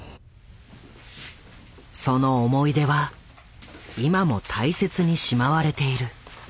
その思い出は今も大切にしまわれている。